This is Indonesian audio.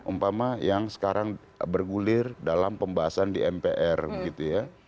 umpama yang sekarang bergulir dalam pembahasan di mpr gitu ya